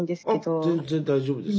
あっ全然大丈夫です。